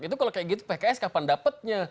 itu kalau kayak gitu pks kapan dapatnya